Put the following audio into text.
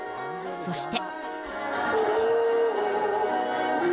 そして。